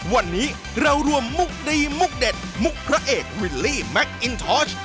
วันนี้เรารวมมุกดีมุกเด็ดมุกพระเอกวิลลี่แมคอินทอช